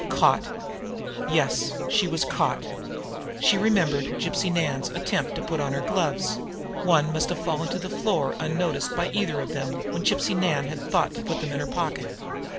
Caught! Yes, she was caught! She remembered Gypsy Nan's attempt to put on her gloves one must have fallen to the floor unnoticed by either of them when Gypsy Nan had thought to put them in her pocket!